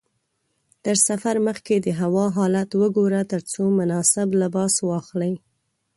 تر سفر مخکې د هوا حالت وګوره ترڅو مناسب لباس واخلې.